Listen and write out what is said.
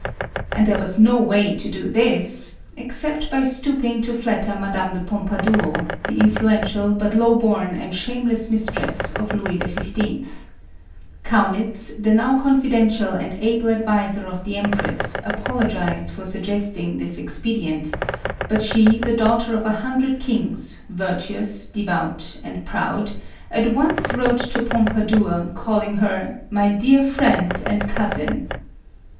And there was no way to do this, except by stooping to flatter Madame de Pompa dour, the influential, but low born and shameless mis tress of Louis XY. Kaunitz, the now confidential and able adviser of the empress, apologized for suggesting this expedient ; but she — the daughter of a hundred kings — virtuous, devout and proud — at once wrote to MARIA THERESA. 207 Pompadour, calling her " My dear friend and cousin."